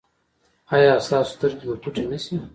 ایا ستاسو سترګې به پټې نه شي؟